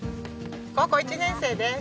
高校１年生です。